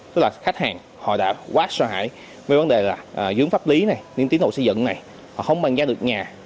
tức là khách hàng họ đã quá sợ hãi với vấn đề là dưỡng pháp lý này niềm tiến độ xây dựng này họ không bàn giá được nhà